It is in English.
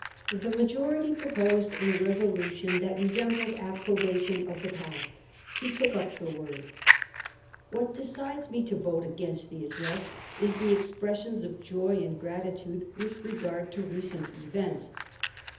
The majority pro posed a resolution that resembled approbation of the past ; he took up the word :" What decides me to vote against the address is the expressions of joy and gratitude with regard to recent events.